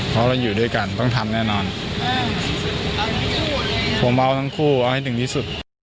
เพราะเราอยู่ด้วยกันต้องทำแน่นอนผมเอาทั้งคู่เอาให้ถึงที่สุด